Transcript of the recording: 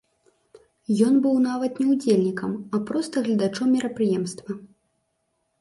Ён быў нават не удзельнікам, а проста гледачом мерапрыемства.